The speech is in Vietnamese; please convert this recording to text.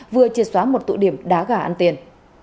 vừa triệt xóa một tụ điểm đá gà ăn tiền